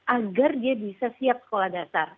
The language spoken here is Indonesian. agar dia bisa siap sekolah dasar